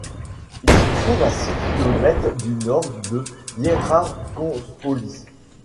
Elle se trouve à six kilomètres au nord de Hierakonpolis.